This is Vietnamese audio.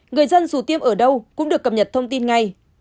người dân dù tiêm ở đâu cũng được cập nhật thông tin ngay